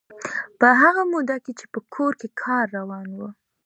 په هغه موده کې چې په کور کې کار روان و.